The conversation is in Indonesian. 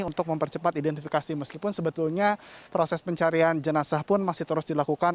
untuk mempercepat identifikasi meskipun sebetulnya proses pencarian jenazah pun masih terus dilakukan